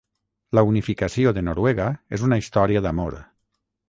La unificació de Noruega és una història d'amor.